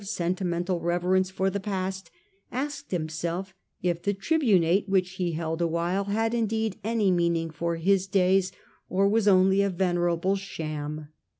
sentimental reverence for the past, asked himself if the tribunate which he held awhile had indeed any meaning for his days, or was only a venerable sham.